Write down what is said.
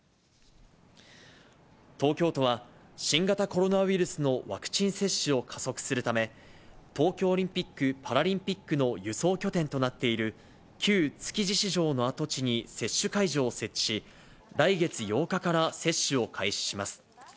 東京都は、新型コロナウイルスのワクチン接種を加速するため、東京オリンピック・パラリンピックの輸送拠点となっている、旧築地市場の跡地に接種会場を設置し、来月８日から接種を開始します。